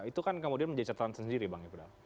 itu kan kemudian menjadi catatan sendiri bang ifdal